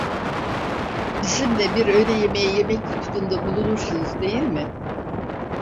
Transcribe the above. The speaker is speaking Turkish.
Bizimle bir öğle yemeği yemek lütfunda bulunursunuz, değil mi?